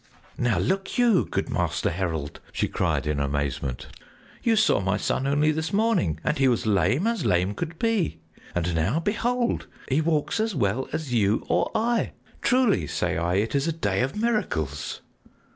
"Now look you, good Master Herald!" she cried in amazement. "You saw my son only this morning, and he was lame as lame could be; and now, behold, he walks as well as you or I! Truly, say I, it is a day of miracles!"